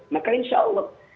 maka insya allah